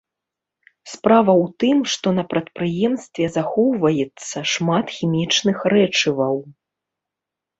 Справа ў тым, што на прадпрыемстве захоўваецца шмат хімічных рэчываў.